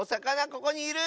ここにいる！